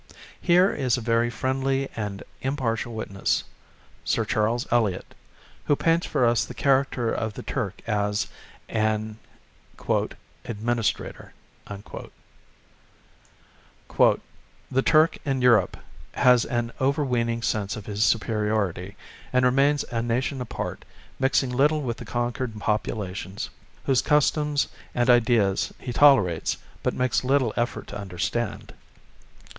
Here is a very friendly and impartial witness Sir Charles Elliot who paints for us the character of the Turk as an "administrator": "The Turk in Europe has an overweening sense of his superiority, and remains a nation apart, mixing little with the conquered populations, whose customs and ideas he tolerates, but makes little effort to understand.